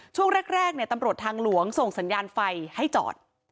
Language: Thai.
ช่วงแรกตำรวจทางหลวงส่งสัญญาณไฟให้จอด